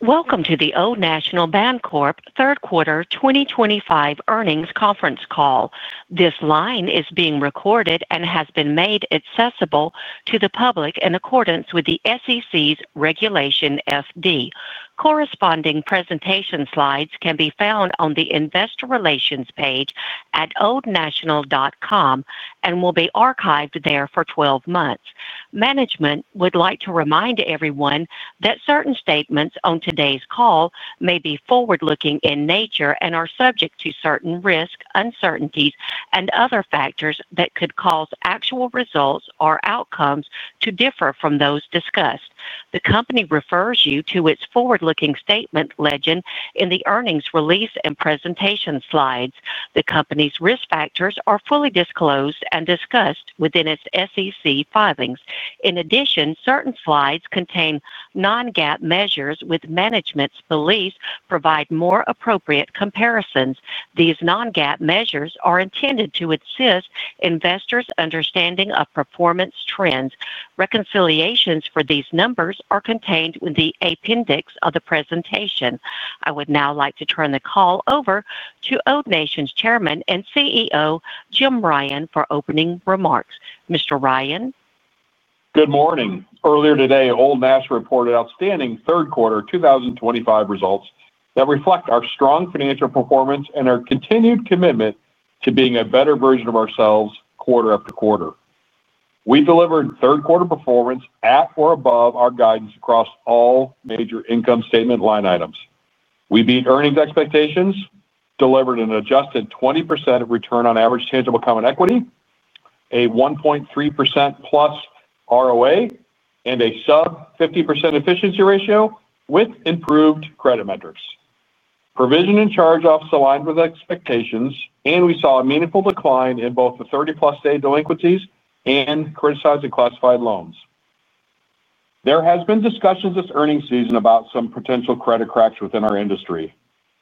Welcome to the Old National Bancorp third quarter 2025 earnings conference call. This line is being recorded and has been made accessible to the public in accordance with the SEC's Regulation FD. Corresponding presentation slides can be found on the Investor Relations page at oldnational.com and will be archived there for 12 months. Management would like to remind everyone that certain statements on today's call may be forward-looking in nature and are subject to certain risks, uncertainties, and other factors that could cause actual results or outcomes to differ from those discussed. The company refers you to its forward-looking statement legend in the earnings release and presentation slides. The company's risk factors are fully disclosed and discussed within its SEC filings. In addition, certain slides contain non-GAAP measures with management's beliefs to provide more appropriate comparisons. These non-GAAP measures are intended to assist investors in understanding performance trends. Reconciliations for these numbers are contained within the appendix of the presentation. I would now like to turn the call over to Old National Bancorp's Chairman and CEO, Jim Ryan, for opening remarks. Mr. Ryan? Good morning. Earlier today, Old National Bancorp reported outstanding third quarter 2025 results that reflect our strong financial performance and our continued commitment to being a better version of ourselves quarter after quarter. We delivered Third Quarter performance at or above our guidance across all major income statement line items. We beat earnings expectations, delivered an adjusted 20% return on average tangible common equity, a 1.3% plus return on assets, and a sub-50% efficiency ratio with improved credit metrics. Provision and charge-offs aligned with expectations, and we saw a meaningful decline in both the 30+ day delinquencies and criticized and classified loans. There have been discussions this earnings season about some potential credit cracks within our industry.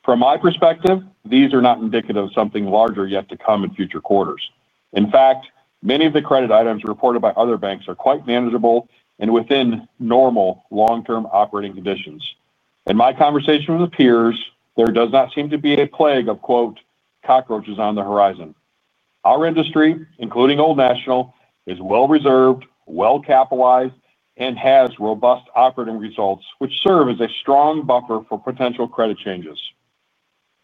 From my perspective, these are not indicative of something larger yet to come in future quarters. In fact, many of the credit items reported by other banks are quite manageable and within normal long-term operating conditions. In my conversation with the peers, there does not seem to be a plague of "cockroaches" on the horizon. Our industry, including Old National Bancorp, is well-reserved, well-capitalized, and has robust operating results which serve as a strong buffer for potential credit changes.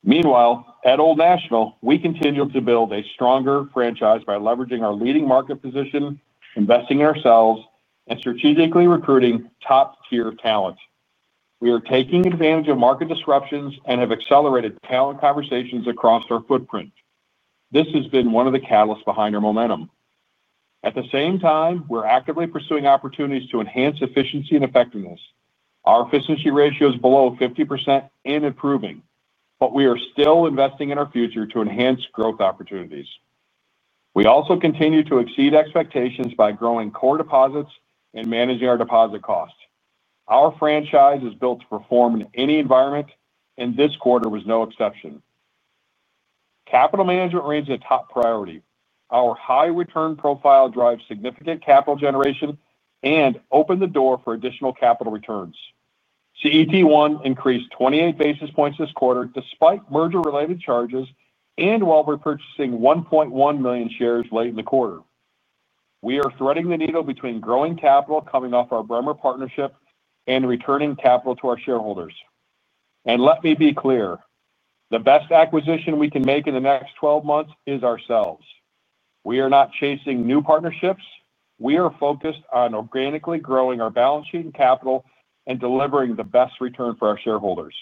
Meanwhile, at Old National, we continue to build a stronger franchise by leveraging our leading market position, investing in ourselves, and strategically recruiting top-tier talent. We are taking advantage of market disruptions and have accelerated talent conversations across our footprint. This has been one of the catalysts behind our momentum. At the same time, we're actively pursuing opportunities to enhance efficiency and effectiveness. Our efficiency ratio is below 50% and improving, but we are still investing in our future to enhance growth opportunities. We also continue to exceed expectations by growing core deposits and managing our deposit cost. Our franchise is built to perform in any environment, and this quarter was no exception. Capital management remains a top priority. Our high return profile drives significant capital generation and opens the door for additional capital returns. CET1 ratio increased 28 basis points this quarter despite merger-related charges and while repurchasing 1.1 million shares late in the quarter. We are threading the needle between growing capital coming off our Bremer partnership and returning capital to our shareholders. Let me be clear, the best acquisition we can make in the next 12 months is ourselves. We are not chasing new partnerships. We are focused on organically growing our balance sheet and capital and delivering the best return for our shareholders.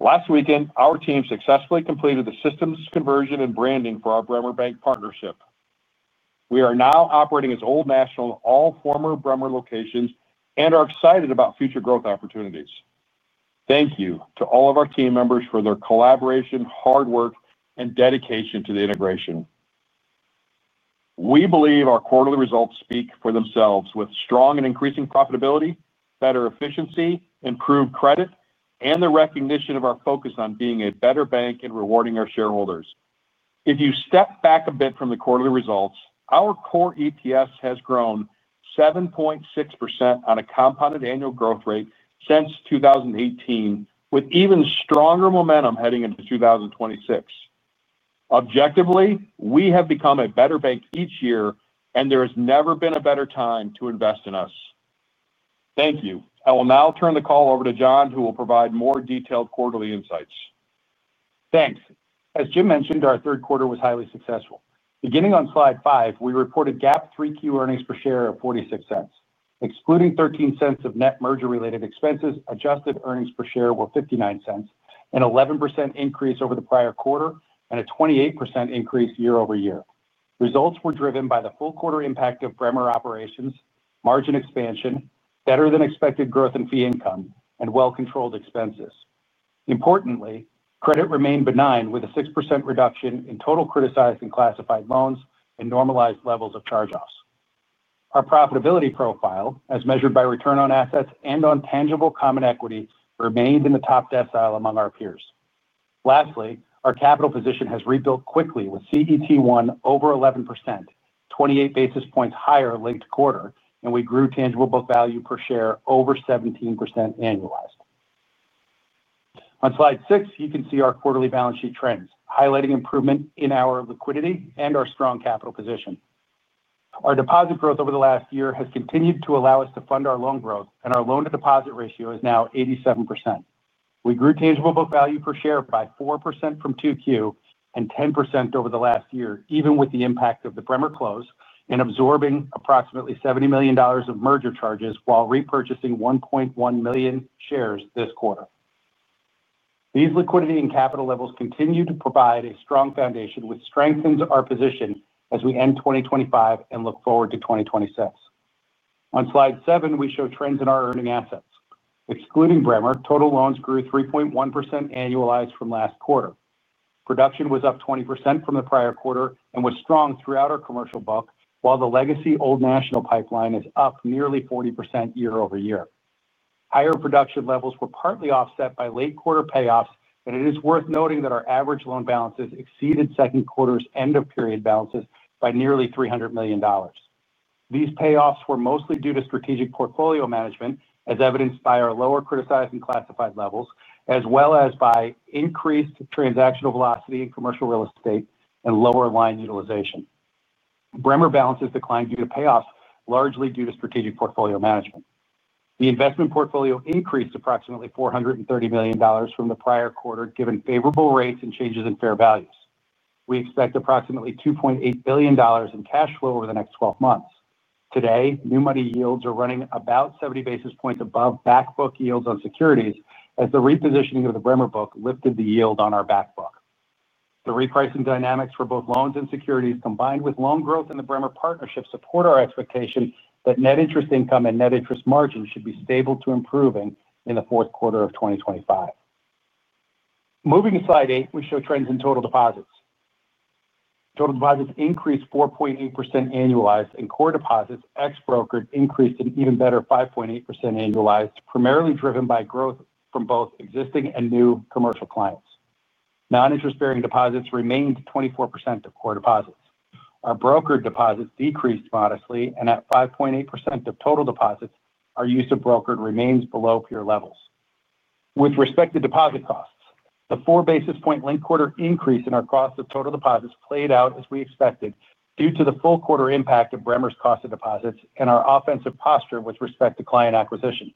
Last weekend, our team successfully completed the systems conversion and branding for our Bremer partnership. We are now operating as Old National in all former Bremer locations and are excited about future growth opportunities. Thank you to all of our team members for their collaboration, hard work, and dedication to the integration. We believe our quarterly results speak for themselves with strong and increasing profitability, better efficiency, improved credit, and the recognition of our focus on being a better bank and rewarding our shareholders. If you step back a bit from the quarterly results, our core EPS has grown 7.6% on a compounded annual growth rate since 2018, with even stronger momentum heading into 2026. Objectively, we have become a better bank each year, and there has never been a better time to invest in us. Thank you. I will now turn the call over to John, who will provide more detailed quarterly insights. Thanks. As Jim mentioned, our third quarter was highly successful. Beginning on slide five, we reported GAAP 3Q earnings per share of $0.46. Excluding $0.13 of net merger-related expenses, adjusted earnings per share were $0.59, an 11% increase over the prior quarter, and a 28% increase year-over-year. Results were driven by the full quarter impact of Bremer operations, margin expansion, better-than-expected growth in fee income, and well-controlled expenses. Importantly, credit remained benign with a 6% reduction in total criticized and classified loans and normalized levels of charge-offs. Our profitability profile, as measured by return on assets and on tangible common equity, remained in the top decile among our peers. Lastly, our capital position has rebuilt quickly with CET1 over 11%, 28 basis points higher late quarter, and we grew tangible book value per share over 17% annualized. On slide six, you can see our quarterly balance sheet trends, highlighting improvement in our liquidity and our strong capital position. Our deposit growth over the last year has continued to allow us to fund our loan growth, and our loan-to-deposit ratio is now 87%. We grew tangible book value per share by 4% from Q2 and 10% over the last year, even with the impact of the Bremer close and absorbing approximately $70 million of merger charges while repurchasing 1.1 million shares this quarter. These liquidity and capital levels continue to provide a strong foundation which strengthens our position as we end 2025 and look forward to 2026. On slide seven, we show trends in our earning assets. Excluding Bremer, total loans grew 3.1% annualized from last quarter. Production was up 20% from the prior quarter and was strong throughout our commercial bulk, while the legacy Old National pipeline is up nearly 40% year-over-year. Higher production levels were partly offset by late quarter payoffs, and it is worth noting that our average loan balances exceeded second quarter's end-of-period balances by nearly $300 million. These payoffs were mostly due to strategic portfolio management, as evidenced by our lower criticized and classified levels, as well as by increased transactional velocity in commercial real estate and lower line utilization. Bremer balances declined due to payoffs, largely due to strategic portfolio management. The investment portfolio increased approximately $430 million from the prior quarter, given favorable rates and changes in fair values. We expect approximately $2.8 billion in cash flow over the next 12 months. Today, new money yields are running about 70 basis points above backbook yields on securities, as the repositioning of the Bremer book lifted the yield on our backbook. The repricing dynamics for both loans and securities, combined with loan growth in the Bremer partnership, support our expectation that net interest income and net interest margins should be stable to improving in the fourth quarter of 2025. Moving to slide eight, we show trends in total deposits. Total deposits increased 4.8% annualized, and core deposits ex-brokered increased an even better 5.8% annualized, primarily driven by growth from both existing and new commercial clients. Non-interest bearing deposits remained 24% of core deposits. Our brokered deposits decreased modestly, and at 5.8% of total deposits, our use of brokered remains below peer levels. With respect to deposit costs, the four basis point link quarter increase in our cost of total deposits played out as we expected due to the full quarter impact of Bremer's cost of deposits and our offensive posture with respect to client acquisition.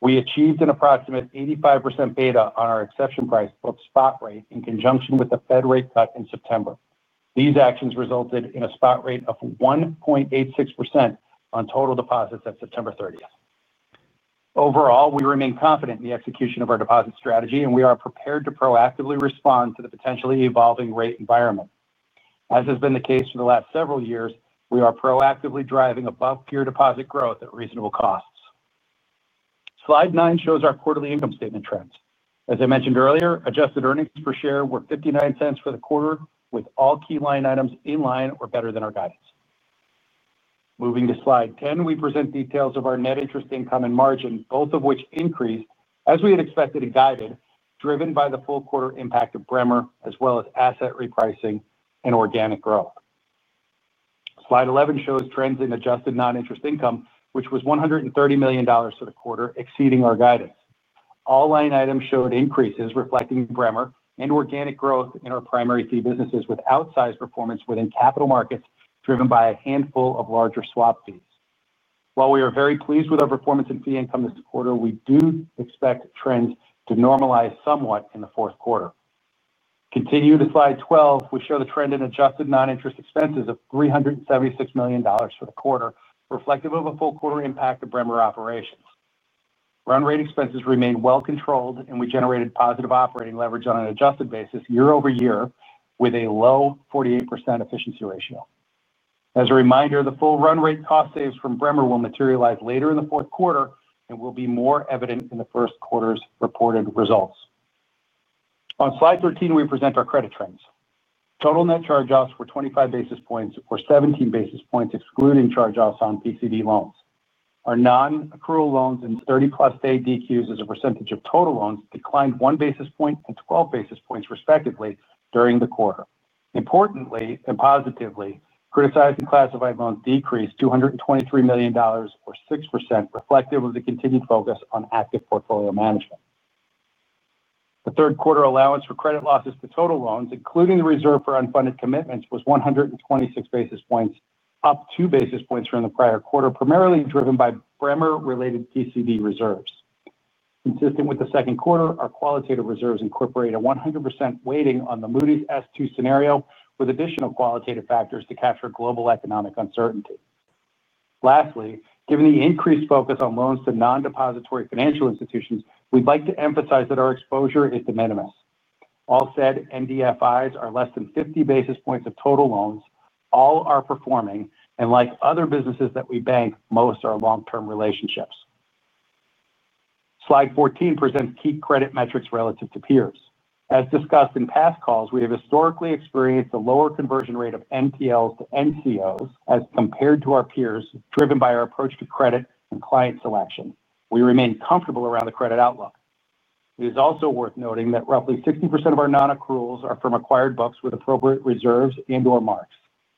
We achieved an approximate 85% beta on our exception price book spot rate in conjunction with the Fed rate cut in September. These actions resulted in a spot rate of 1.86% on total deposits at September 30. Overall, we remain confident in the execution of our deposit strategy, and we are prepared to proactively respond to the potentially evolving rate environment. As has been the case for the last several years, we are proactively driving above peer deposit growth at reasonable costs. Slide nine shows our quarterly income statement trends. As I mentioned earlier, adjusted earnings per share were $0.59 for the quarter, with all key line items in line or better than our guidance. Moving to slide 10, we present details of our net interest income and margin, both of which increased as we had expected and guided, driven by the full quarter impact of Bremer as well as asset repricing and organic growth. Slide 11 shows trends in adjusted non-interest income, which was $130 million for the quarter, exceeding our guidance. All line items showed increases reflecting Bremer and organic growth in our primary fee businesses with outsized performance within capital markets driven by a handful of larger swap fees. While we are very pleased with our performance in fee income this quarter, we do expect trends to normalize somewhat in the fourth quarter. Continuing to slide 12, we show the trend in adjusted non-interest expenses of $376 million for the quarter, reflective of a full quarter impact of Bremer operations. Run rate expenses remain well controlled, and we generated positive operating leverage on an adjusted basis year-over-year with a low 48% efficiency ratio. As a reminder, the full run rate cost saves from Bremer will materialize later in the fourth quarter and will be more evident in the first quarter's reported results. On slide 13, we present our credit trends. Total net charge-offs were 25 basis points or 17 basis points, excluding charge-offs on PCD loans. Our non-accrual loans and 30+ day DQs as a percentage of total loans declined 1 basis point and 12 basis points respectively during the quarter. Importantly and positively, criticized and classified loans decreased $223 million or 6%, reflective of the continued focus on active portfolio management. The third quarter allowance for credit losses to total loans, including the reserve for unfunded commitments, was 126 basis points, up 2 basis points from the prior quarter, primarily driven by Bremer-related PCD reserves. Consistent with the second quarter, our qualitative reserves incorporate a 100% weighting on the Moody's S2 scenario with additional qualitative factors to capture global economic uncertainty. Lastly, given the increased focus on loans to non-depository financial institutions, we'd like to emphasize that our exposure is De minimis. All said, NDFIs are less than 50 basis points of total loans. All are performing, and like other businesses that we bank, most are long-term relationships. Slide 14 presents key credit metrics relative to peers. As discussed in past calls, we have historically experienced a lower conversion rate of NPLs to NCOs as compared to our peers, driven by our approach to credit and client selection. We remain comfortable around the credit outlook. It is also worth noting that roughly 60% of our non-accruals are from acquired books with appropriate reserves and/or marks.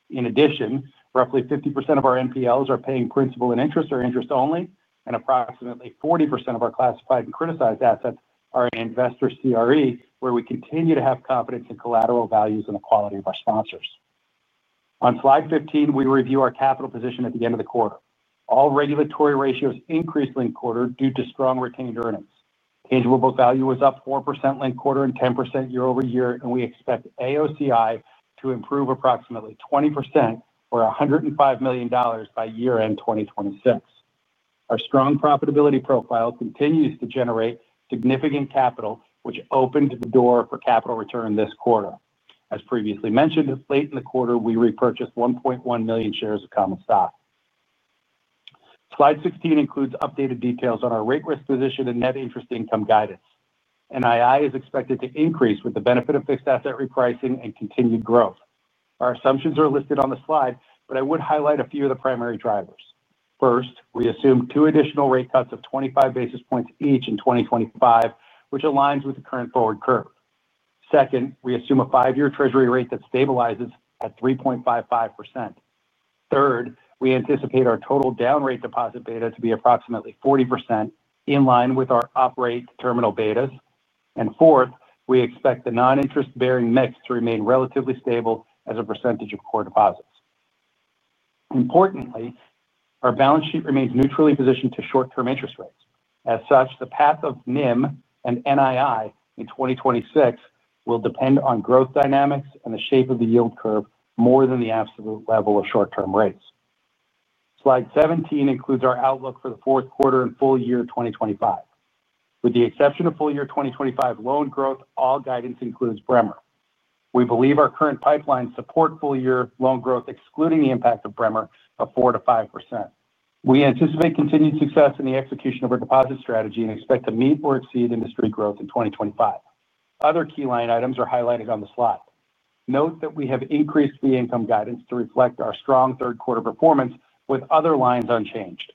In addition, roughly 50% of our NPLs are paying principal and interest or interest only, and approximately 40% of our classified and criticized assets are in investor CRE, where we continue to have confidence in collateral values and the quality of our sponsors. On slide 15, we review our capital position at the end of the quarter. All regulatory ratios increased linked quarter due to strong retained earnings. Tangible book value was up 4% linked quarter and 10% year-over-year, and we expect AOCI to improve approximately 20% or $105 million by year-end 2026. Our strong profitability profile continues to generate significant capital, which opened the door for capital return this quarter. As previously mentioned, late in the quarter, we repurchased 1.1 million shares of common stock. Slide 16 includes updated details on our rate risk position and net interest income guidance. NII is expected to increase with the benefit of fixed asset repricing and continued growth. Our assumptions are listed on the slide, but I would highlight a few of the primary drivers. First, we assume two additional rate cuts of 25 basis points each in 2025, which aligns with the current forward curve. Second, we assume a five-year Treasury rate that stabilizes at 3.55%. Third, we anticipate our total down rate deposit beta to be approximately 40% in line with our up rate terminal betas. Fourth, we expect the non-interest bearing mix to remain relatively stable as a percentage of core deposits. Importantly, our balance sheet remains neutrally positioned to short-term interest rates. As such, the path of NIM and NII in 2026 will depend on growth dynamics and the shape of the yield curve more than the absolute level of short-term rates. Slide 17 includes our outlook for the fourth quarter and full year 2025. With the exception of full year 2025 loan growth, all guidance includes Bremer. We believe our current pipeline supports full year loan growth, excluding the impact of Bremer, of 4%-5%. We anticipate continued success in the execution of our deposit strategy and expect to meet or exceed industry growth in 2025. Other key line items are highlighted on the slide. Note that we have increased fee income guidance to reflect our strong third quarter performance with other lines unchanged.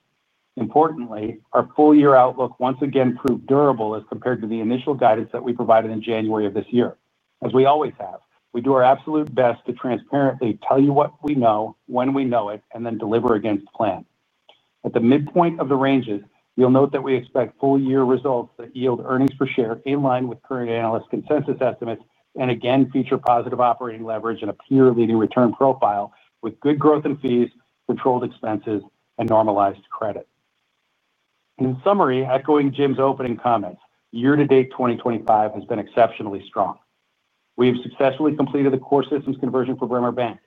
Importantly, our full year outlook once again proved durable as compared to the initial guidance that we provided in January of this year. As we always have, we do our absolute best to transparently tell you what we know when we know it and then deliver against plan. At the midpoint of the ranges, you'll note that we expect full year results that yield earnings per share in line with current analyst consensus estimates and again feature positive operating leverage and a peer-leading return profile with good growth in fees, controlled expenses, and normalized credit. In summary, echoing Jim's opening comments, year-to-date 2025 has been exceptionally strong. We've successfully completed the core systems conversion for Bremer Bank.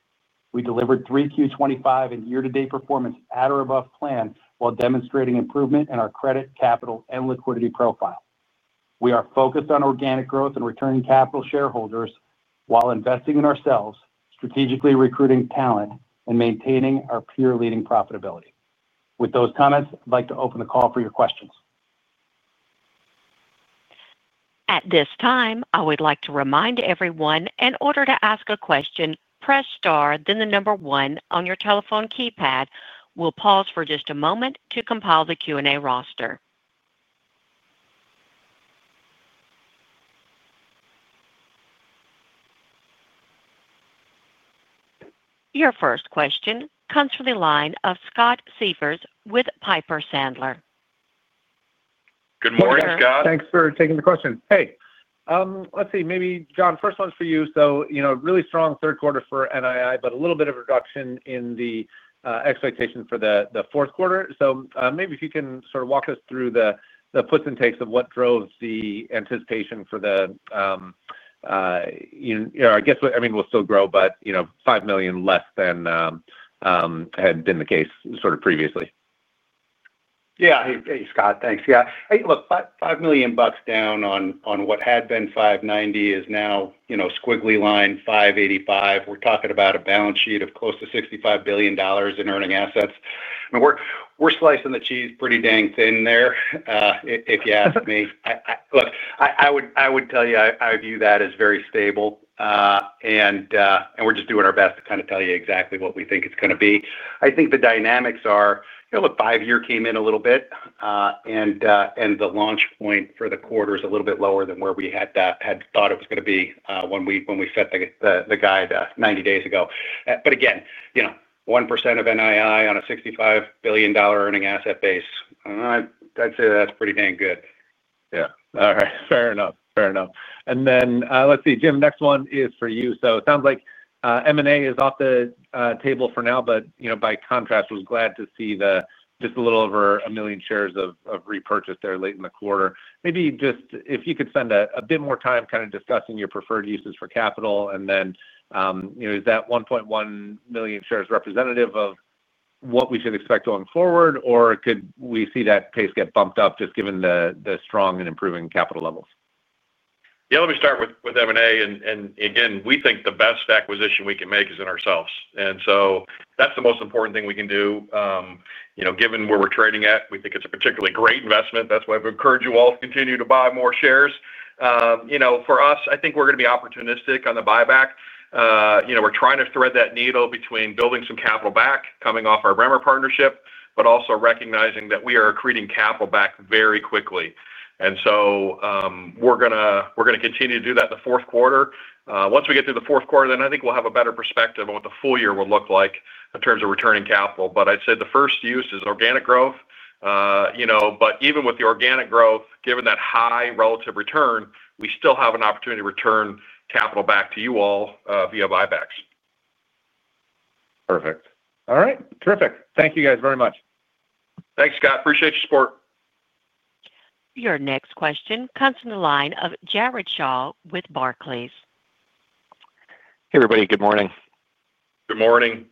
We delivered 3Q25 and year-to-date performance at or above plan while demonstrating improvement in our credit, capital, and liquidity profile. We are focused on organic growth and returning capital to shareholders while investing in ourselves, strategically recruiting talent, and maintaining our peer-leading profitability. With those comments, I'd like to open the call for your questions. At this time, I would like to remind everyone, in order to ask a question, press star, then the number one on your telephone keypad. We'll pause for just a moment to compile the Q&A roster. Your first question comes from the line of Scott Siefers with Piper Sandler. Good morning, Scott. Thanks for taking the question. Let's see, maybe John, first one's for you. You know, really strong third quarter for NII, but a little bit of a reduction in the expectation for the fourth quarter. Maybe if you can sort of walk us through the puts and takes of what drove the anticipation for the, you know, I guess, I mean, we'll still grow, but $5 million less than had been the case previously. Yeah, hey, Scott, thanks. Yeah, hey, look, $5 million down on what had been $590 million is now, you know, squiggly line $585 million. We're talking about a balance sheet of close to $65 billion in earning assets. I mean, we're slicing the cheese pretty dang thin there, if you ask me. I would tell you, I view that as very stable. We're just doing our best to kind of tell you exactly what we think it's going to be. I think the dynamics are, you know, look, five-year came in a little bit, and the launch point for the quarter is a little bit lower than where we had thought it was going to be when we set the guide 90 days ago. Again, you know, 1% of NII on a $65 billion earning asset base, I'd say that's pretty dang good. All right, fair enough. Jim, next one is for you. It sounds like M&A is off the table for now. By contrast, I was glad to see just a little over a million shares of repurchase there late in the quarter. Maybe if you could spend a bit more time discussing your preferred uses for capital, and is that 1.1 million shares representative of what we should expect going forward, or could we see that pace get bumped up just given the strong and improving capital levels? Let me start with M&A, and again, we think the best acquisition we can make is in ourselves. That's the most important thing we can do. You know, given where we're trading at, we think it's a particularly great investment. That's why we encourage you all to continue to buy more shares. For us, I think we're going to be opportunistic on the buyback. We're trying to thread that needle between building some capital back coming off our Bremer partnership, but also recognizing that we are accreting capital back very quickly. We're going to continue to do that in the fourth quarter. Once we get through the fourth quarter, I think we'll have a better perspective on what the full year will look like in terms of returning capital. I'd say the first use is organic growth. Even with the organic growth, given that high relative return, we still have an opportunity to return capital back to you all via buybacks. Perfect. All right, terrific. Thank you guys very much. Thanks, Scott. Appreciate your support. Your next question comes from the line of Jared Shaw with Barclays. Hey, everybody, good morning. Good morning.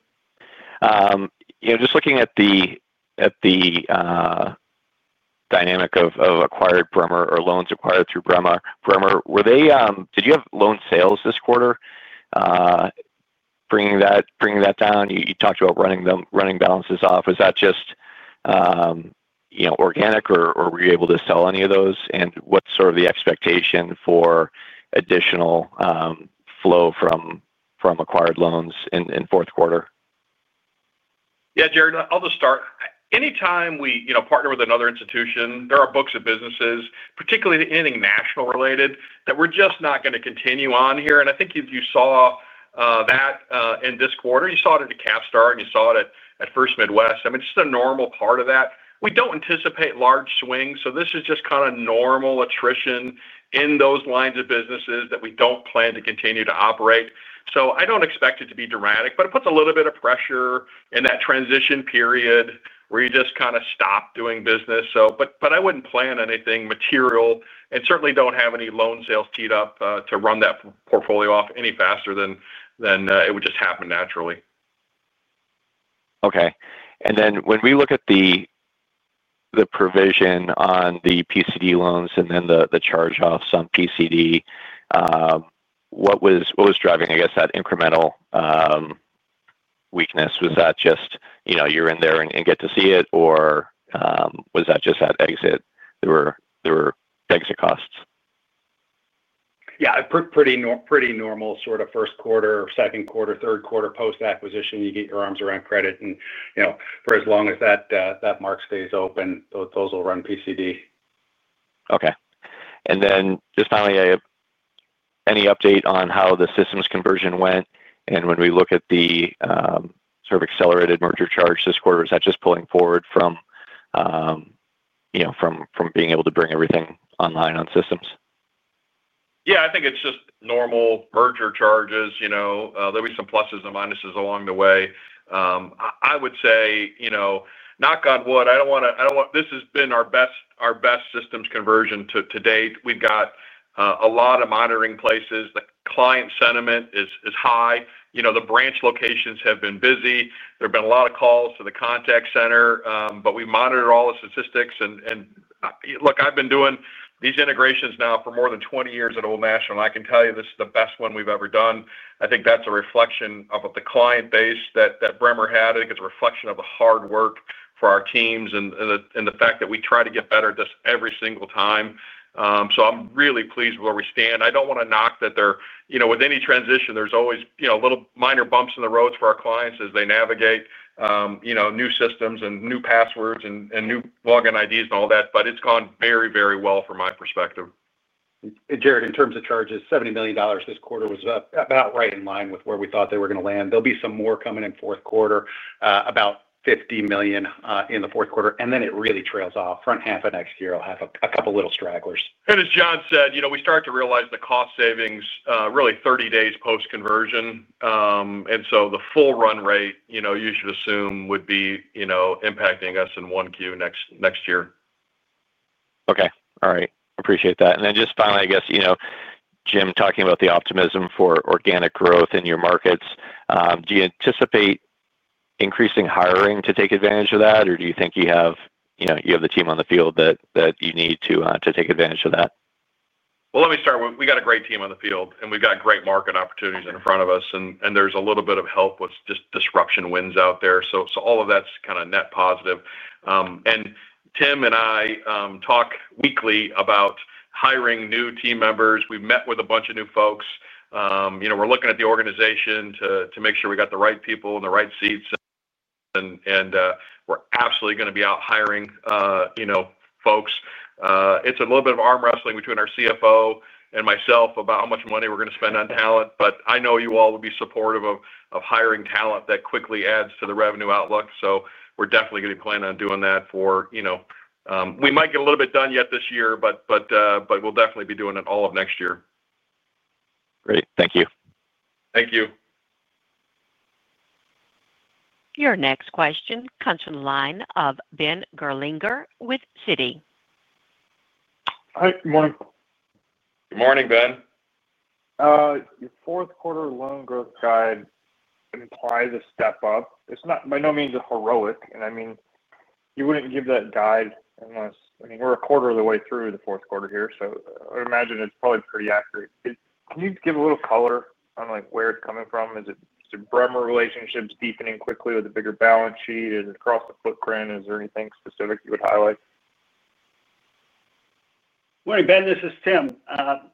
Just looking at the dynamic of acquired Bremer or loans acquired through Bremer, were they, did you have loan sales this quarter bringing that down? You talked about running balances off. Is that just organic or were you able to sell any of those? What's sort of the expectation for additional flow from acquired loans in the fourth quarter? Yeah, Jared, I'll just start. Anytime we partner with another institution, there are books of businesses, particularly anything national related, that we're just not going to continue on here. I think you saw that in this quarter. You saw it at CapStar and you saw it at First Midwest. It's just a normal part of that. We don't anticipate large swings. This is just kind of normal attrition in those lines of businesses that we don't plan to continue to operate. I don't expect it to be dramatic, but it puts a little bit of pressure in that transition period where you just kind of stop doing business. I wouldn't plan anything material and certainly don't have any loan sales teed up to run that portfolio off any faster than it would just happen naturally. Okay. When we look at the provision on the PCD loans and the charge-offs on PCD, what was driving, I guess, that incremental weakness? Was that just, you know, you're in there and get to see it, or was that just that exit? There were exit costs. Yeah, pretty normal sort of first quarter, second quarter, third quarter post-acquisition. You get your arms around credit. For as long as that mark stays open, those will run PCD. Okay. Finally, any update on how the systems conversion went? When we look at the sort of accelerated merger charge this quarter, is that just pulling forward from being able to bring everything online on systems? Yeah, I think it's just normal merger-related charges. There'll be some pluses and minuses along the way. I would say, knock on wood, I don't want to, this has been our best systems conversion to date. We've got a lot of monitoring in place. The client sentiment is high. The branch locations have been busy. There have been a lot of calls to the contact center. We've monitored all the statistics. I've been doing these integrations now for more than 20 years at Old National Bancorp, and I can tell you this is the best one we've ever done. I think that's a reflection of the client base that Bremer Bank had. I think it's a reflection of the hard work from our teams and the fact that we try to get better at this every single time. I'm really pleased with where we stand. I don't want to knock that there, with any transition, there's always a little minor bumps in the road for our clients as they navigate new systems and new passwords and new login IDs and all that. It's gone very, very well from my perspective. Jared, in terms of charges, $70 million this quarter was about right in line with where we thought they were going to land. There'll be some more coming in the fourth quarter, about $50 million in the fourth quarter. It really trails off. Front half of next year, we'll have a couple of little stragglers. As John said, we start to realize the cost savings really 30 days post-conversion, and the full run-rate, you should assume, would be impacting us in Q1 next year. All right. Appreciate that. Just finally, I guess, you know, Jim, talking about the optimism for organic growth in your markets, do you anticipate increasing hiring to take advantage of that, or do you think you have the team on the field that you need to take advantage of that? Let me start. We got a great team on the field, and we've got great market opportunities in front of us. There's a little bit of help with just disruption wins out there. All of that's kind of net positive. Tim and I talk weekly about hiring new team members. We've met with a bunch of new folks. You know, we're looking at the organization to make sure we got the right people in the right seats. We're absolutely going to be out hiring, you know, folks. It's a little bit of arm wrestling between our CFO and myself about how much money we're going to spend on talent. I know you all will be supportive of hiring talent that quickly adds to the revenue outlook. We're definitely going to be planning on doing that for, you know, we might get a little bit done yet this year, but we'll definitely be doing it all of next year. Great, thank you. Thank you. Your next question comes from the line of Ben Gerlinger with Citi. Hi, good morning. Good morning, Ben. Your fourth quarter loan growth guide implies a step up. It's not by no means heroic. I mean, you wouldn't give that guide unless, I mean, we're a quarter of the way through the fourth quarter here. I would imagine it's probably pretty accurate. Can you give a little color on where it's coming from? Is it Bremer relationships deepening quickly with a bigger balance sheet? Is it across the footprint? Is there anything specific you would highlight? Ben, this is Tim.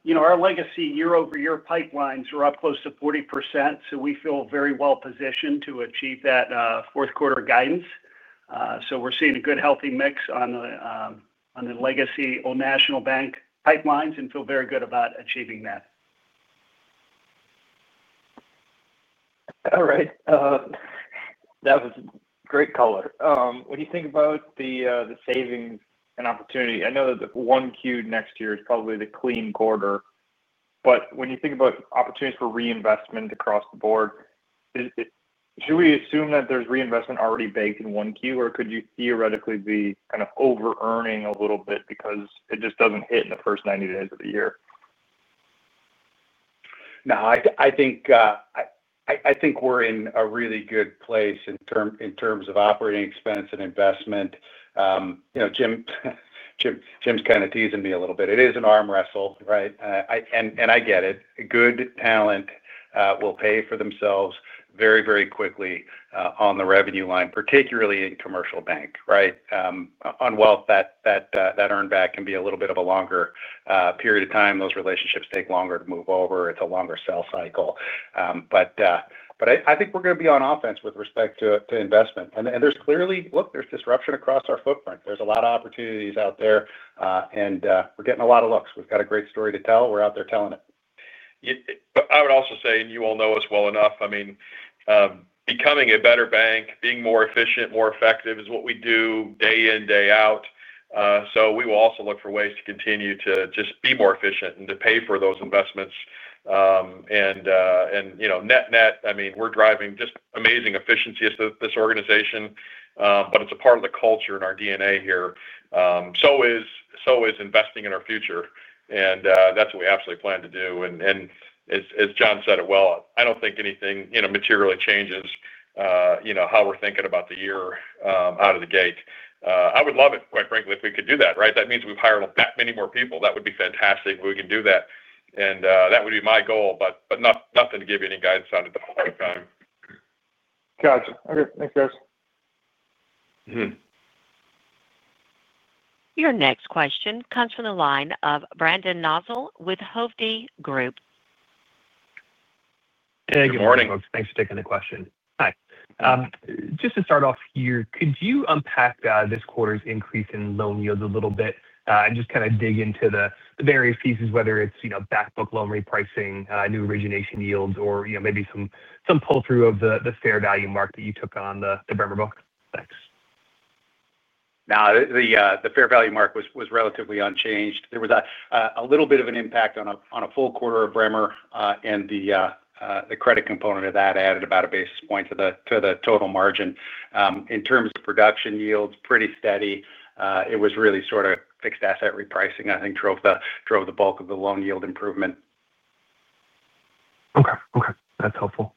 You know, our legacy year-over-year pipelines were up close to 40%. We feel very well positioned to achieve that fourth quarter guidance. We're seeing a good healthy mix on the legacy Old National Bancorp pipelines and feel very good about achieving that. All right. That was great color. When you think about the savings and opportunity, I know that the 1Q next year is probably the clean quarter. When you think about opportunities for reinvestment across the board, should we assume that there's reinvestment already baked in 1Q, or could you theoretically be kind of over-earning a little bit because it just doesn't hit in the first 90 days of the year? No, I think we're in a really good place in terms of operating expense and investment. Jim's kind of teasing me a little bit. It is an arm wrestle, right? I get it. Good talent will pay for themselves very, very quickly on the revenue line, particularly in commercial banking, right? On wealth, that earned back can be a little bit of a longer period of time. Those relationships take longer to move over. It's a longer sell cycle. I think we're going to be on offense with respect to investment. There's clearly, look, there's disruption across our footprint. There are a lot of opportunities out there, and we're getting a lot of looks. We've got a great story to tell. We're out there telling it. I would also say, you all know us well enough, becoming a better bank, being more efficient, more effective is what we do day in, day out. We will also look for ways to continue to just be more efficient and to pay for those investments. Net-net, we're driving just amazing efficiency as this organization, but it's a part of the culture and our DNA here. Investing in our future is what we absolutely plan to do. As John said it well, I don't think anything materially changes how we're thinking about the year out of the gate. I would love it, quite frankly, if we could do that, right? That means we've hired back many more people. That would be fantastic if we can do that. That would be my goal, but nothing to give you any guidance on at the time. Gotcha. Okay, thanks, guys. Your next question comes from the line of Brendan Nosal with Hovde Group. Hey, good morning. Thanks for taking the question. Hi. Just to start off here, could you unpack this quarter's increase in loan yields a little bit and just kind of dig into the various pieces, whether it's backbook loan repricing, new origination yields, or maybe some pull-through of the fair value mark that you took on the Bremer book? Thanks. Now, the fair value mark was relatively unchanged. There was a little bit of an impact on a full quarter of Bremer, and the credit component of that added about a basis point to the total margin. In terms of production yields, pretty steady. It was really sort of fixed asset repricing, I think, drove the bulk of the loan yield improvement. Okay. That's helpful.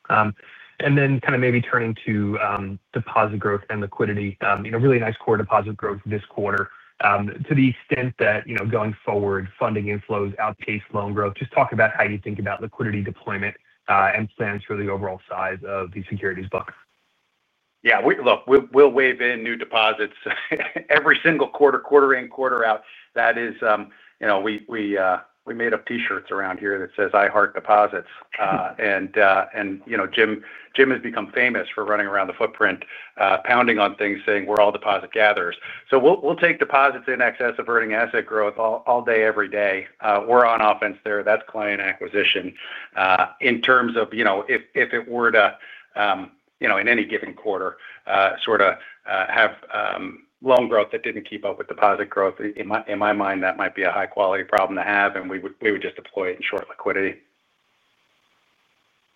Maybe turning to deposit growth and liquidity, you know, really nice core deposit growth this quarter. To the extent that, you know, going forward, funding inflows outpace loan growth, just talk about how you think about liquidity deployment and plans for the overall size of the securities book. Yeah, look, we’ll wave in new deposits every single quarter, quarter in, quarter out. That is, you know, we made up t-shirts around here that say, "I heart deposits." You know, Jim has become famous for running around the footprint pounding on things, saying, "We’re all deposit gatherers." We’ll take deposits in excess of earning asset growth all day, every day. We’re on offense there. That’s client acquisition. In terms of, you know, if it were to, in any given quarter, sort of have loan growth that didn’t keep up with deposit growth, in my mind, that might be a high-quality problem to have, and we would just deploy it in short liquidity.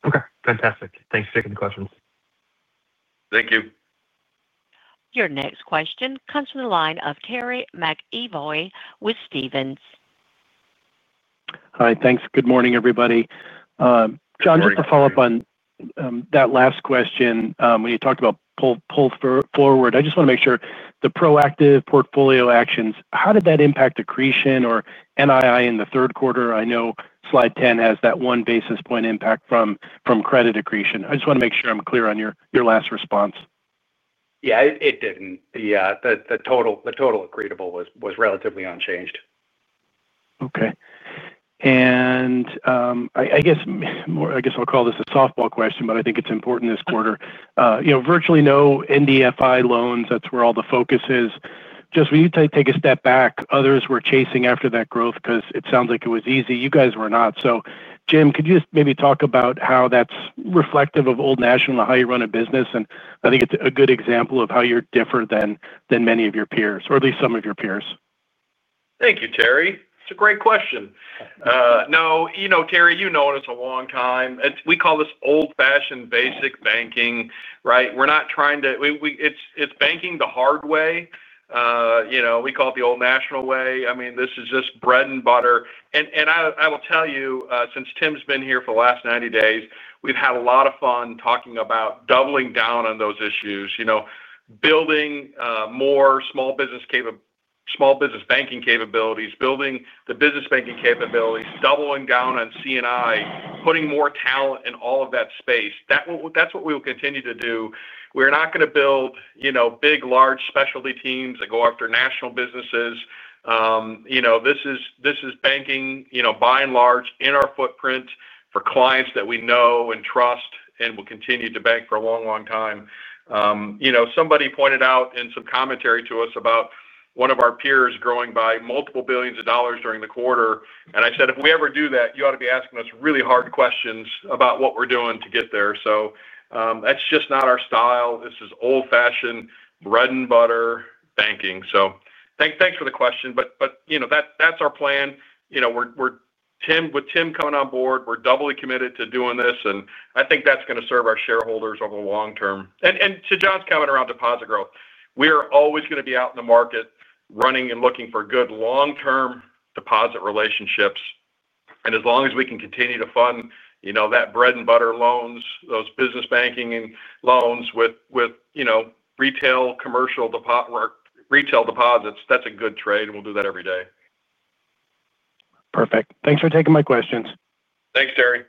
Okay, fantastic. Thanks for taking the questions. Thank you. Your next question comes from the line of Terry McEvoy with Stephens. Hi, thanks. Good morning, everybody. John, just to follow-up on that last question, when you talked about pull forward, I just want to make sure the proactive portfolio actions, how did that impact accretion or NII in the third quarter? I know slide 10 has that one basis point impact from credit accretion. I just want to make sure I'm clear on your last response. Yeah, it didn't. The total accretable was relatively unchanged. Okay. I'll call this a softball question, but I think it's important this quarter. You know, virtually no NDFI loans. That's where all the focus is. When you take a step back, others were chasing after that growth because it sounds like it was easy. You guys were not. Jim, could you just maybe talk about how that's reflective of Old National and how you run a business? I think it's a good example of how you're different than many of your peers, or at least some of your peers. Thank you, Terry. It's a great question. No, you know, Terry, you've known us a long time. We call this old-fashioned basic banking, right? We're not trying to, it's banking the hard way. You know, we call it the Old National way. I mean, this is just bread and butter. I will tell you, since Tim's been here for the last 90 days, we've had a lot of fun talking about doubling down on those issues, building more small business banking capabilities, building the business banking capabilities, doubling down on CNI, putting more talent in all of that space. That's what we will continue to do. We're not going to build big, large specialty teams that go after national businesses. This is banking, by and large, in our footprint for clients that we know and trust and will continue to bank for a long, long time. Somebody pointed out in some commentary to us about one of our peers growing by multiple billions of dollars during the quarter. I said, if we ever do that, you ought to be asking us really hard questions about what we're doing to get there. That's just not our style. This is old-fashioned bread and butter banking. Thanks for the question. That's our plan. With Tim coming on board, we're doubly committed to doing this. I think that's going to serve our shareholders over the long term. To John's comment around deposit growth, we are always going to be out in the market running and looking for good long-term deposit relationships. As long as we can continue to fund that bread and butter loans, those business banking loans with retail deposits, that's a good trade. We'll do that every day. Perfect. Thanks for taking my questions. Thanks, Terry.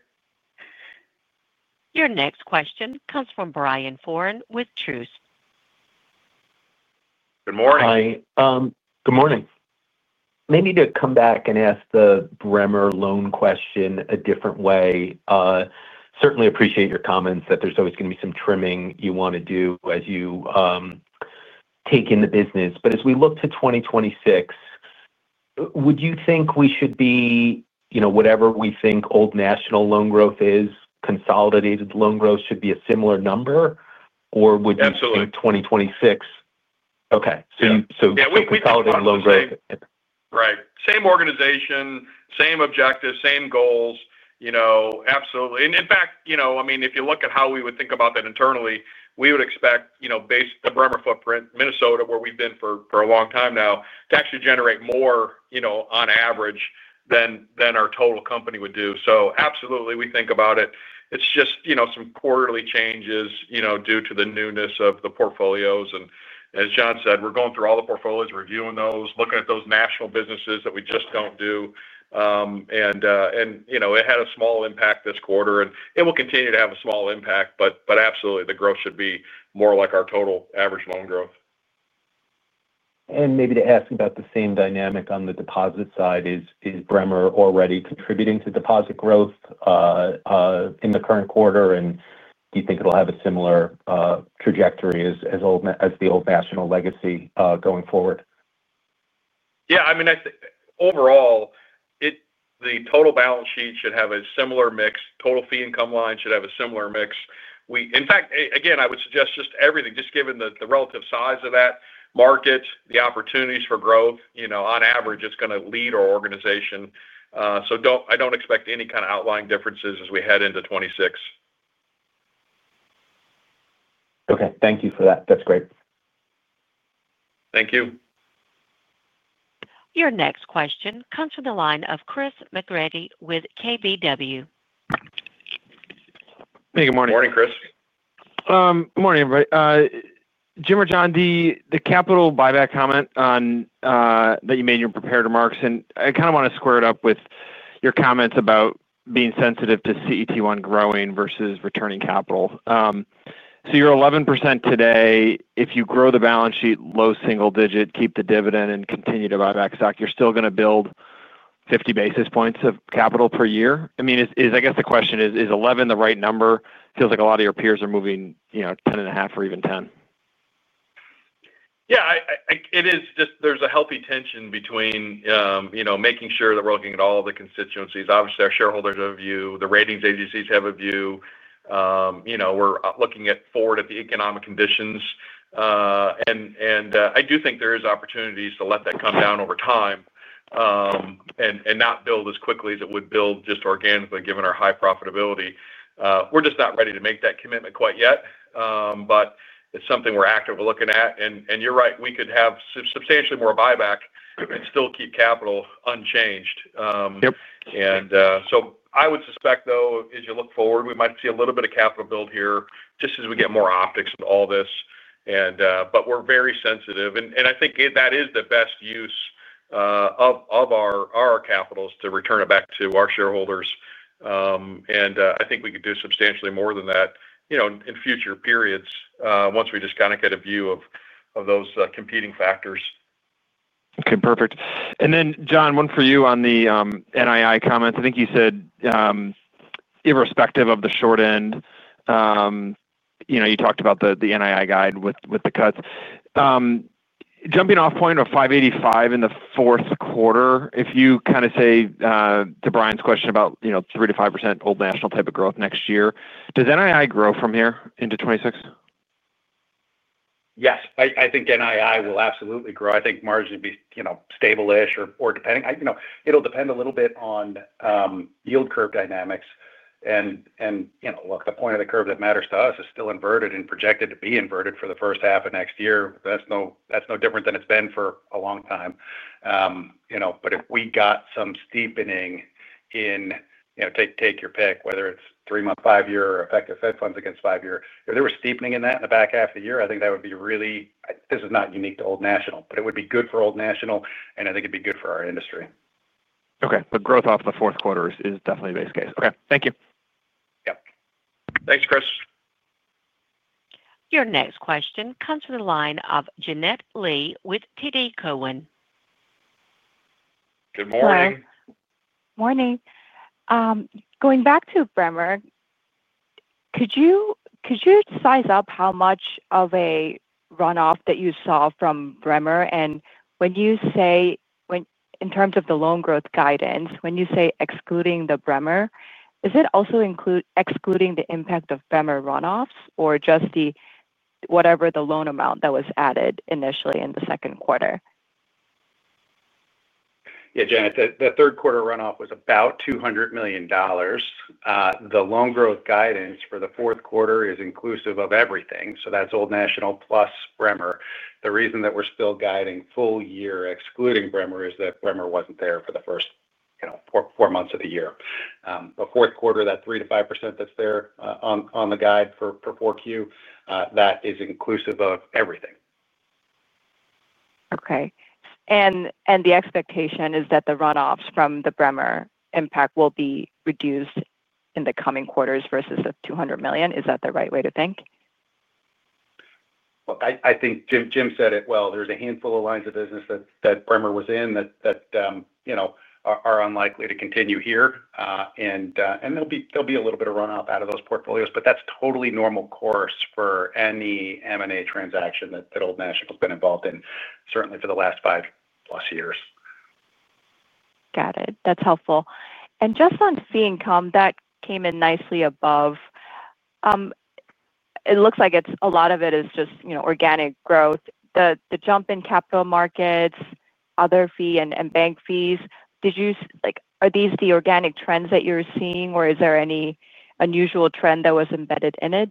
Your next question comes from Brian Foran with Truist. Good morning. Hi. Good morning. Maybe to come back and ask the Bremer loan question a different way. Certainly appreciate your comments that there's always going to be some trimming you want to do as you take in the business. As we look to 2026, would you think we should be, you know, whatever we think Old National loan growth is, consolidated loan growth should be a similar number? Or would you think 2026? Absolutely. Okay, consolidated loan growth. Right. Same organization, same objective, same goals. Absolutely. In fact, if you look at how we would think about that internally, we would expect, based on the Bremer Bank footprint, Minnesota, where we've been for a long time now, to actually generate more on average than our total company would do. Absolutely, we think about it. It's just some quarterly changes due to the newness of the portfolios. As John said, we're going through all the portfolios, reviewing those, looking at those national businesses that we just don't do. It had a small impact this quarter, and it will continue to have a small impact. Absolutely, the growth should be more like our total average loan growth. Maybe to ask about the same dynamic on the deposit side, is Bremer already contributing to deposit growth in the current quarter? Do you think it'll have a similar trajectory as the Old National legacy going forward? I think overall, the total balance sheet should have a similar mix. Total fee income line should have a similar mix. In fact, I would suggest just everything, just given the relative size of that market, the opportunities for growth, you know, on average, it's going to lead our organization. I don't expect any kind of outlying differences as we head into 2026. Okay, thank you for that. That's great. Thank you. Your next question comes from the line of Chris McGratty with KBW. Hey, good morning. Morning, Chris. Good morning, everybody. Jim or John, the capital buyback comment that you made in your prepared remarks, I kind of want to square it up with your comments about being sensitive to CET1 growing versus returning capital. You're 11% today. If you grow the balance sheet low single digit, keep the dividend, and continue to buy back stock, you're still going to build 50 basis points of capital per year. I mean, I guess the question is, is 11 the right number? It feels like a lot of your peers are moving, you know, 10.5% or even 10%. Yeah, it is just there's a healthy tension between, you know, making sure that we're looking at all the constituencies. Obviously, our shareholders have a view. The ratings agencies have a view. You know, we're looking forward at the economic conditions. I do think there are opportunities to let that come down over time and not build as quickly as it would build just organically given our high profitability. We're just not ready to make that commitment quite yet, but it's something we're actively looking at. You're right, we could have substantially more buyback and still keep capital unchanged. Yep. I would suspect, though, as you look forward, we might see a little bit of capital build here just as we get more optics into all this. We are very sensitive, and I think that the best use of our capital is to return it back to our shareholders. I think we could do substantially more than that in future periods once we just kind of get a view of those competing factors. Okay, perfect. John, one for you on the NII comments. I think you said irrespective of the short end, you talked about the NII guide with the cuts. Jumping off point of $585 in the fourth quarter, if you kind of say to Brian's question about 3% to 5% Old National type of growth next year, does NII grow from here into 2026? Yes, I think NII will absolutely grow. I think margins will be stable-ish or, depending, it'll depend a little bit on yield curve dynamics. The point of the curve that matters to us is still inverted and projected to be inverted for the first half of next year. That's no different than it's been for a long time. If we got some steepening in, take your pick, whether it's three-month, five-year, or effective fed funds against five-year, if there was steepening in that in the back half of the year, I think that would be really, this is not unique to Old National Bancorp, but it would be good for Old National Bancorp, and I think it'd be good for our industry. Okay, growth off the fourth quarter is definitely the base case. Okay, thank you. Yep. Thanks, Chris. Your next question comes from the line of Janet Lee with TD Cowen. Good morning. Morning. Going back to Bremer, could you size up how much of a runoff that you saw from Bremer? When you say, in terms of the loan growth guidance, when you say excluding Bremer, is it also excluding the impact of Bremer runoffs or just the whatever the loan amount that was added initially in the second quarter? Yeah, Janet, the third quarter runoff was about $200 million. The loan growth guidance for the fourth quarter is inclusive of everything. That's Old National plus Bremer. The reason that we're still guiding full year excluding Bremer is that Bremer wasn't there for the first, you know, four months of the year. The fourth quarter, that 3%-5% that's there on the guide for 4Q, that is inclusive of everything. Okay. The expectation is that the runoffs from the Bremer impact will be reduced in the coming quarters versus the $200 million. Is that the right way to think? Jim said it well. There's a handful of lines of business that Bremer was in that, you know, are unlikely to continue here. There'll be a little bit of runoff out of those portfolios, but that's totally normal course for any M&A transaction that Old National's been involved in, certainly for the last five-plus years. Got it. That's helpful. Just on fee income, that came in nicely above. It looks like a lot of it is just, you know, organic growth. The jump in capital markets, other fee, and bank fees, did you like, are these the organic trends that you're seeing, or is there any unusual trend that was embedded in it?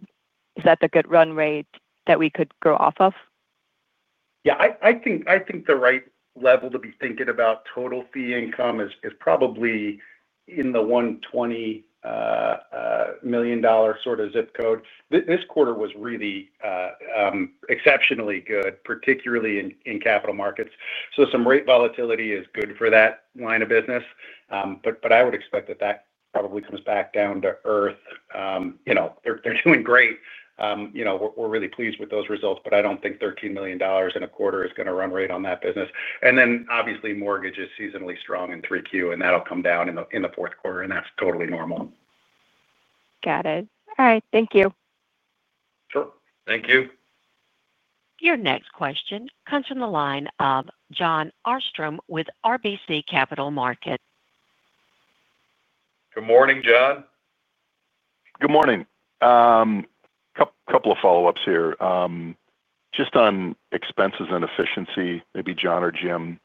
Is that the good run rate that we could grow off of? Yeah, I think the right level to be thinking about total fee income is probably in the $120 million sort of zip code. This quarter was really exceptionally good, particularly in capital markets. Some rate volatility is good for that line of business. I would expect that that probably comes back down to earth. They're doing great. We're really pleased with those results, but I don't think $13 million in a quarter is going to run rate on that business. Obviously, mortgage is seasonally strong in 3Q, and that'll come down in the fourth quarter, and that's totally normal. Got it. All right, thank you. Sure. Thank you. Your next question comes from the line of John Astrom with RBC Capital Markets. Good morning, John. Good morning. A couple of follow-ups here. Just on expenses and efficiency, maybe John or Jim,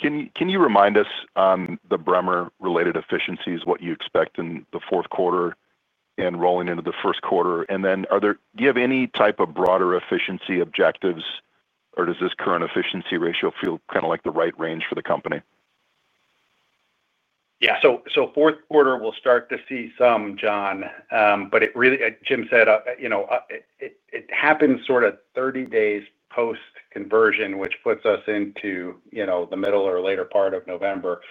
can you remind us on the Bremer-related efficiencies, what you expect in the fourth quarter and rolling into the first quarter? Do you have any type of broader efficiency objectives, or does this current efficiency ratio feel kind of like the right range for the company? Yeah, fourth quarter, we'll start to see some, John. It really, Jim said, happens sort of 30 days post-conversion, which puts us into the middle or later part of November.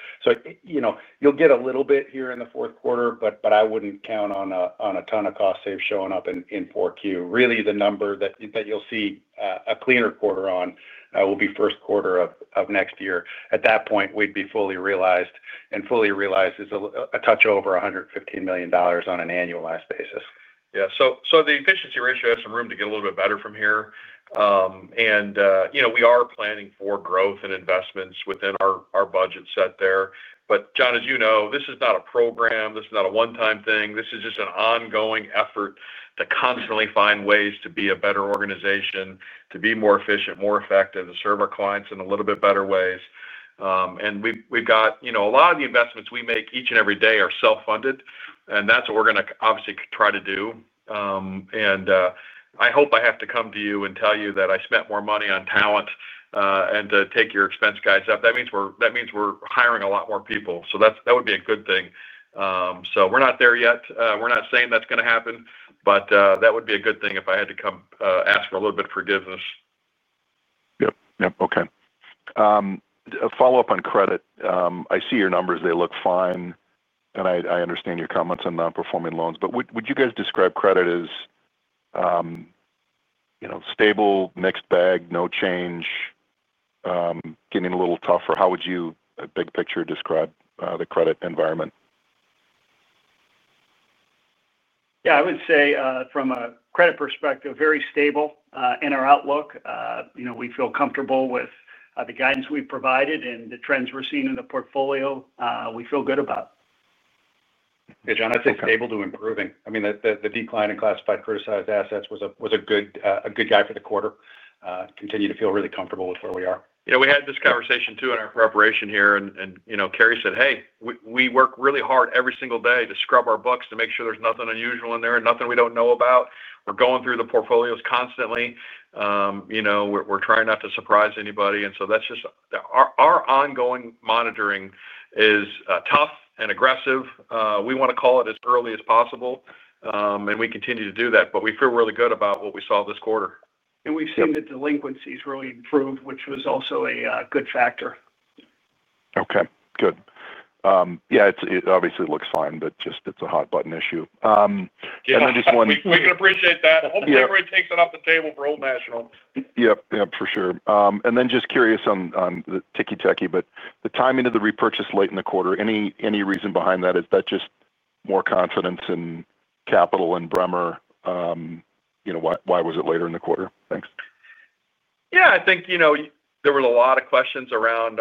You'll get a little bit here in the fourth quarter, but I wouldn't count on a ton of cost saves showing up in 4Q. The number that you'll see a cleaner quarter on will be first quarter of next year. At that point, we'd be fully realized, and fully realized is a touch over $115 million on an annualized basis. Yeah, the efficiency ratio has some room to get a little bit better from here. We are planning for growth and investments within our budget set there. John, as you know, this is not a program. This is not a one-time thing. This is just an ongoing effort to constantly find ways to be a better organization, to be more efficient, more effective, to serve our clients in a little bit better ways. We've got a lot of the investments we make each and every day are self-funded. That's what we're going to obviously try to do. I hope I have to come to you and tell you that I spent more money on talent and to take your expense guides up. That means we're hiring a lot more people. That would be a good thing. We're not there yet. We're not saying that's going to happen, but that would be a good thing if I had to come ask for a little bit of forgiveness. Okay. A follow-up on credit. I see your numbers. They look fine. I understand your comments on non-performing loans. Would you guys describe credit as, you know, stable, mixed bag, no change, getting a little tougher? How would you, big picture, describe the credit environment? Yeah, I would say from a credit perspective, very stable in our outlook. We feel comfortable with the guidance we've provided and the trends we're seeing in the portfolio. We feel good about it. Yeah, John, I think stable to improving. I mean, the decline in classified criticized assets was a good guide for the quarter. Continue to feel really comfortable with where we are. We had this conversation too in our preparation here. Kerry said, "Hey, we work really hard every single day to scrub our books to make sure there's nothing unusual in there, nothing we don't know about. We're going through the portfolios constantly. We're trying not to surprise anybody." That is just our ongoing monitoring. It is tough and aggressive. We want to call it as early as possible. We continue to do that. We feel really good about what we saw this quarter. We have seen the delinquencies really improve, which was also a good factor. Okay, good. Yeah, it obviously looks fine, but it's a hot button issue. Yeah, we can appreciate that. Hopefully, everybody takes it off the table for Old National. For sure. Just curious on the ticky-tacky, but the timing of the repurchase late in the quarter, any reason behind that? Is that just more confidence in capital and Bremer? You know, why was it later in the quarter? Thanks. Yeah, I think there were a lot of questions around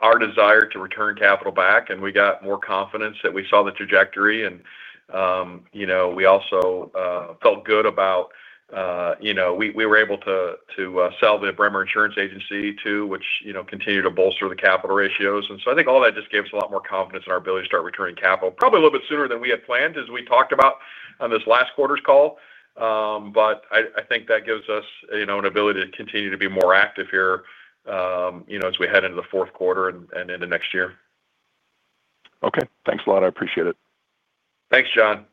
our desire to return capital back. We got more confidence as we saw the trajectory. We also felt good about being able to sell the Bremer insurance agency too, which continued to bolster the capital ratios. I think all that just gave us a lot more confidence in our ability to start returning capital, probably a little bit sooner than we had planned, as we talked about on this last quarter's call. I think that gives us an ability to continue to be more active here as we head into the fourth quarter and into next year. Okay, thanks a lot. I appreciate it. Thanks, John.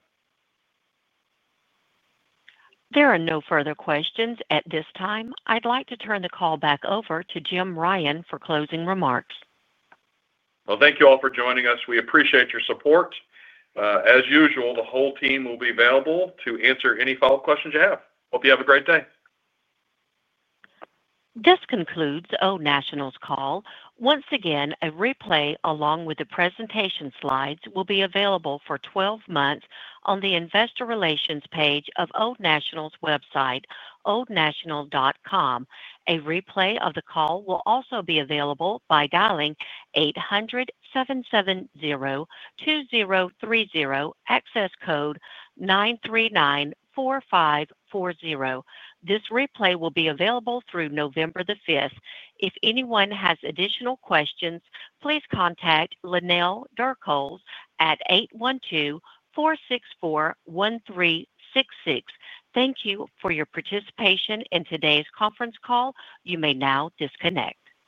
There are no further questions at this time. I'd like to turn the call back over to Jim Ryan for closing remarks. Thank you all for joining us. We appreciate your support. As usual, the whole team will be available to answer any follow-up questions you have. Hope you have a great day. This concludes Old National Bancorp's call. Once again, a replay along with the presentation slides will be available for 12 months on the Investor Relations page of Old National Bancorp's website, oldnational.com. A replay of the call will also be available by dialing 800-770-2030, access code 9394540. This replay will be available through November 5th. If anyone has additional questions, please contact Lynell Durkholz at 812-464-1366. Thank you for your participation in today's conference call. You may now disconnect.